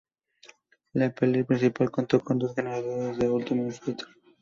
La pelea principal contó con dos ganadores del The Ultimate Fighter.